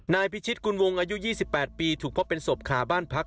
นายพิชิตกุลวงอายุ๒๘ปีถูกพบเป็นศพขาบ้านพัก